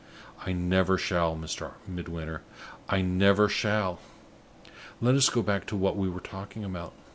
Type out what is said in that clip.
I never shall, Mr. Midwinter I never shall. Let us go back to what we were talking about.